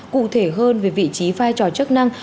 cụ thể hơn về vị trí vai trò chức năng